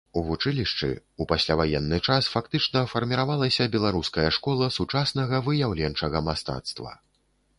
У вучылішчы, у пасляваенны час, фактычна фарміравалася беларуская школа сучаснага выяўленчага мастацтва.